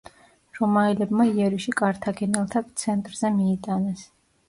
რომაელებმა იერიში კართაგენელთა ცენტრზე მიიტანეს.